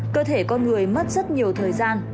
cơ thể con người mất rất nhiều thời gian